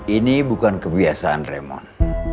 ini bukan kebiasaan raymond